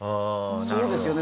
そうですよね。